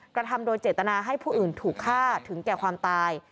กระทำโดยเจตนาให้ผู้อื่นถูกฆ่าถึงแก่ความตาย